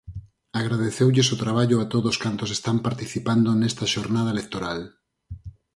Agradeceulles o traballo a todos cantos están participando nesta xornada electoral.